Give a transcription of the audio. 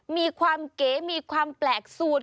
มีความเก๋มีความแปลกสูตร